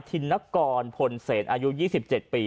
ธินกรพลเศษอายุ๒๗ปี